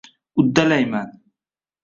Uddalayman.